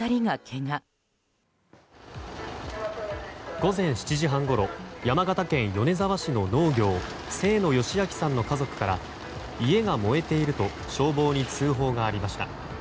午前７時半ごろ山形県米沢市の農業情野義明さんの家族から家が燃えていると消防に通報がありました。